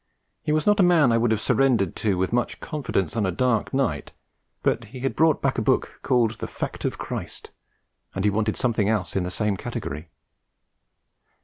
He was not a man I would have surrendered to with much confidence on a dark night, but he had brought back a book called The Fact of Christ, and he wanted something else in the same category.